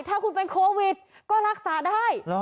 ถ้าคุณเป็นโควิดก็รักษาได้